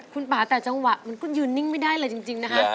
คุณป่าแต่จังหวะมันก็ยืนนิ่งไม่ได้เลยจริงนะคะ